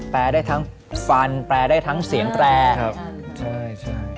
ได้ทั้งฟันแปลได้ทั้งเสียงแตรครับใช่ใช่